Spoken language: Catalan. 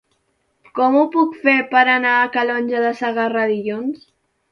Com ho puc fer per anar a Calonge de Segarra dilluns?